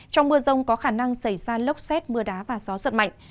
trong mưa rông có khả năng xảy ra lốc xét mưa đá và gió giật mạnh